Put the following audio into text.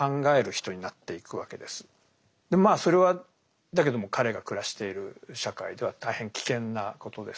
まあそれはだけども彼が暮らしている社会では大変危険なことです